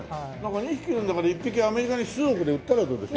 ２匹いるんだから１匹アメリカに数億で売ったらどうです？